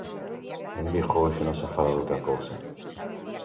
En Vigo hoxe non se fala doutra cousa.